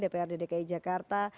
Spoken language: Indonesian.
dprd dki jakarta